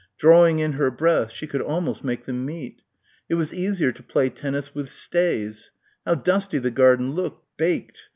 Drawing in her breath she could almost make them meet. It was easier to play tennis with stays ... how dusty the garden looked, baked.